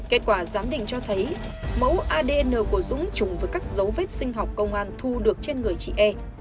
kết quả giám định cho thấy mẫu adn của dũng trùng với các dấu vết sinh học công an thu được trên người chị e